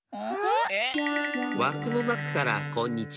わくのなかからこんにちは。